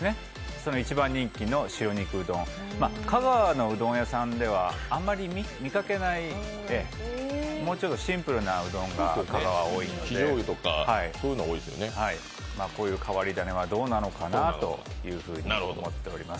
その一番人気の白肉うどん、香川のうどん屋さんではあんまり見かけない、もうちょっとシンプルなうどんが香川は多いのでこういう変わり種はどうなのかなというふうに思っております。